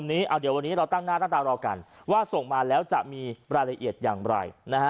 เดี๋ยววันนี้เราร่วมต้องคิดว่าส่งมาแล้วจะมีรายละเอียดอย่างไร